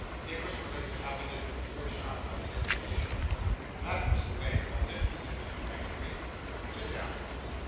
Nicholas related how he had been forced up by the deputation. 'That was the way, was it?' said Mr. Gregsbury. 'Sit down.